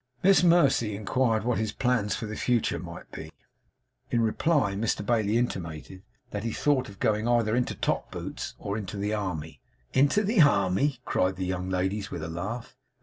Miss Mercy inquired what his plans for the future might be; in reply to whom Mr Bailey intimated that he thought of going either into top boots, or into the army. 'Into the army!' cried the young ladies, with a laugh.